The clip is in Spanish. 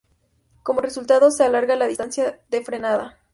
Como resultado, se alarga la distancia de frenada.